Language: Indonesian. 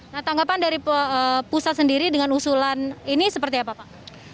nah tanggapan dari pusat sendiri dengan usulan ini seperti apa pak